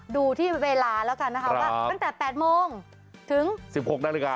ดูที่เวลาแล้วกันนะครับว่าวันอันตรัส๘โมงถึง๑๖นาฬิกา